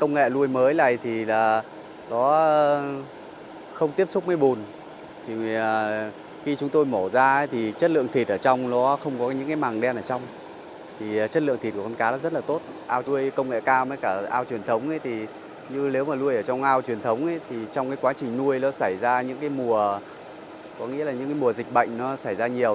như nếu mà nuôi ở trong ao truyền thống thì trong quá trình nuôi nó xảy ra những mùa dịch bệnh nó xảy ra nhiều